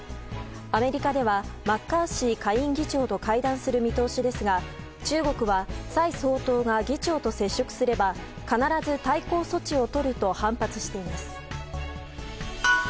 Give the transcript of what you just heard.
アメリカではマッカーシー下院議長と会談する見通しですが中国は蔡総統が議長と接触すれば必ず対抗措置をとると反発しています。